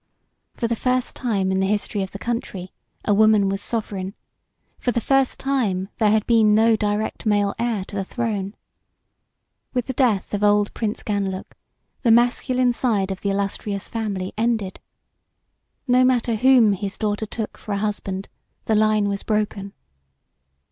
For the first time in the history of the country a woman was sovereign; for the first time there had been no direct male heir to the throne. With the death of old Prince Ganlook the masculine side of the illustrious family ended. No matter whom his daughter took for a husband, the line was broken.